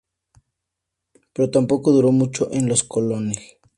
Pero tampoco duró mucho en los Colonels.